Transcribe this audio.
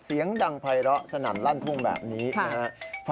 เสียงดังไพร้อสนั่นลั่นทุ่งแบบนี้นะครับ